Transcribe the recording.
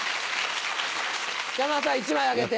山田さん１枚あげて。